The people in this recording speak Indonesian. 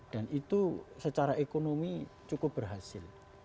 dan itu secara ekonomi cukup berhasil